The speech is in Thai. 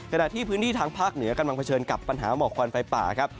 ขณะที่พื้นที่ทางภาคเหนือกำลังเผชิญกับปัญหาหมอกควันไฟป่าครับ